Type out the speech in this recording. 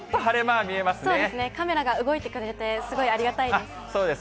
そうですね、カメラが動いてくれて、すごいありがたいです。